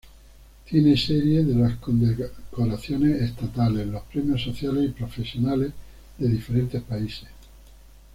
Tiene serie de los condecoraciones estatales, los premios sociales y profesionales de diferentes países.